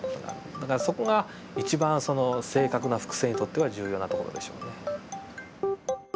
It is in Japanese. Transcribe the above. だからそこが一番正確な複製にとっては重要なところでしょうね。